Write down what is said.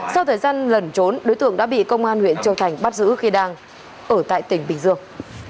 sau thời gian lẩn trốn đối tượng đã bị công an huyện châu thành bắt giữ khi đang ở tại tỉnh bình dương